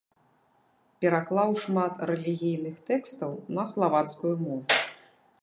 Пераклаў шмат рэлігійных тэкстаў на славацкую мову.